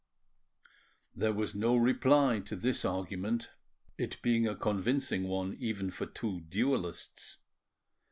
There was no reply to this argument, it being a convincing one even for two duellists.